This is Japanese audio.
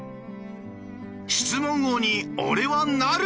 「質問王に俺はなる！」。